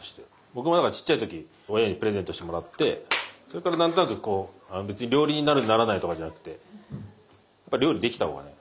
僕も何かちっちゃい時親にプレゼントしてもらってそれから何となくこう別に料理人になるならないとかじゃなくてやっぱ料理できた方がね